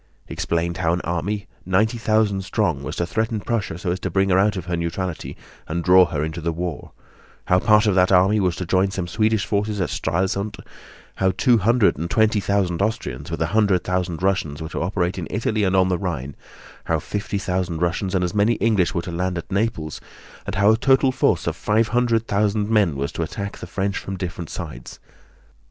He explained how an army, ninety thousand strong, was to threaten Prussia so as to bring her out of her neutrality and draw her into the war; how part of that army was to join some Swedish forces at Stralsund; how two hundred and twenty thousand Austrians, with a hundred thousand Russians, were to operate in Italy and on the Rhine; how fifty thousand Russians and as many English were to land at Naples, and how a total force of five hundred thousand men was to attack the French from different sides.